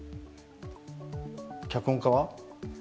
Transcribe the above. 脚本家は？